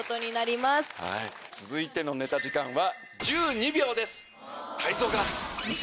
続いてのネタ時間は。